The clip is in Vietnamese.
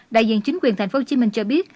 đại diện chính quyền thành phố hồ chí minh cho biết